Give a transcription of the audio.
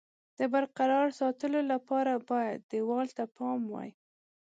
د برقرار ساتلو لپاره باید دېوال ته پام وای.